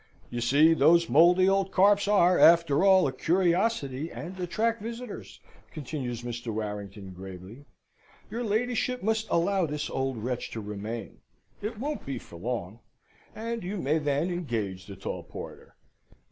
"You see those mouldy old carps are, after all, a curiosity, and attract visitors," continues Mr. Warrington, gravely. "Your ladyship must allow this old wretch to remain. It won't be for long. And you may then engage the tall porter.